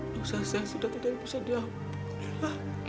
dosa saya sudah tidak bisa diampun